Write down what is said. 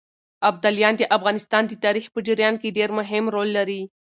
ابداليان د افغانستان د تاريخ په جريان کې ډېر مهم رول لري.